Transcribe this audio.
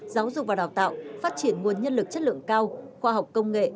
giáo dục và đào tạo phát triển nguồn nhân lực chất lượng cao khoa học công nghệ